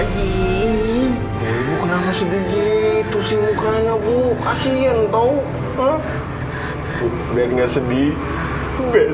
yang penting happy aja hidup